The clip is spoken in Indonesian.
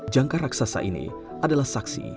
jangka raksasa ini adalah saksi